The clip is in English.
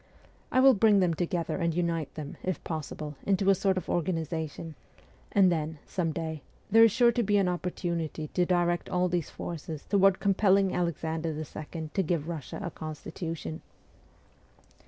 I will bring them together and unite them, if possible, into a sort of organisation ; and then, some day, there is sure to be an opportunity to direct all these forces toward compelling Alexander II. to give Eussia a constitution.